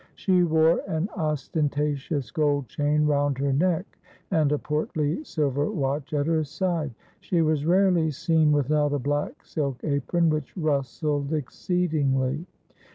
She wore an ostentatious gold chain round her neck, and a portly silver watch at her side. She was rarely seen without a black silk apron, which rustled exceedingly.